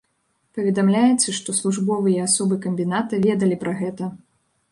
Паведамляецца, што службовыя асобы камбіната ведалі пра гэта.